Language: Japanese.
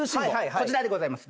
こちらでございます。